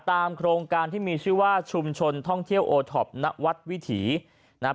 โครงการที่มีชื่อว่าชุมชนท่องเที่ยวโอท็อปณวัดวิถีนะครับ